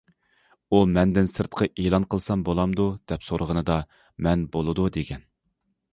ئۇ مەندىن سىرتقا ئېلان قىلسام بولامدۇ؟ دەپ سورىغىنىدا، مەن بولىدۇ، دېگەن.